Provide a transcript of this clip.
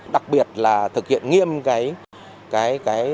đặc biệt là thực hiện nghiêm cái